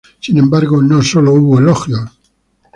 Sin embargo, no solo hubo elogios.